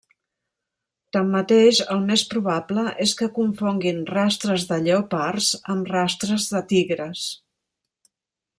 Tanmateix, el més probable és que confonguin rastres de lleopards amb rastres de tigres.